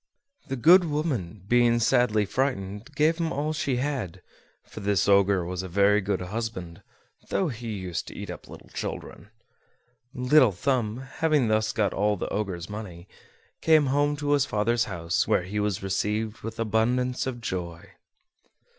The good woman, being sadly frightened, gave him all she had: for this Ogre was a very good husband, though he used to eat up little children. Little Thumb, having thus got all the Ogre's money, came home to his father's house, where he was received with abundance of joy.